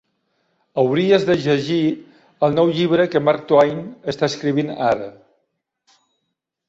Hauries de llegir el nou llibre que Mark Twain està escrivint ara.